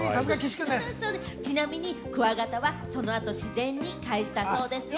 ちなみにクワガタは、その後、自然に返したそうですよ。